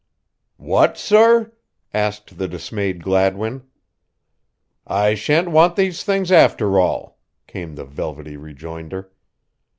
"What, sorr?" asked the dismayed Gladwin. "I shan't want these things after all," came the velvety rejoinder.